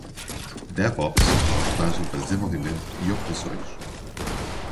DevOps é uma abordagem para desenvolvimento e operações.